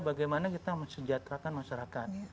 bagaimana kita mensejahterakan masyarakat